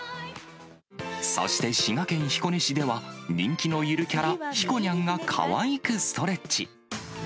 そして、滋賀県彦根市では、人気のゆるキャラ、ひこにゃんがかわいくストレッチ。